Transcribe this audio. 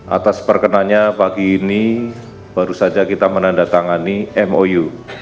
atas perkenannya pagi ini baru saja kita menandatangani mou